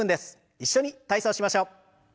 一緒に体操しましょう。